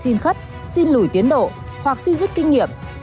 nhiều lần bộ giao thông vận tải xin lùi tiến độ hoặc xin rút kinh nghiệm